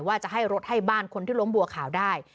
ว่าจะให้รถให้บ้านคนที่ล้มบัวขาวได้